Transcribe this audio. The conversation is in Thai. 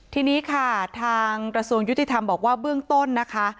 ทีนี้ค่ะทางกระทรวงยุติธรรมบอกว่าเบื้องต้นนะคะ